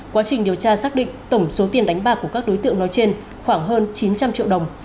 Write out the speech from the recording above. quá trình điều tra xác định tổng số tiền đánh bạc của các đối tượng nói trên khoảng hơn chín trăm linh triệu đồng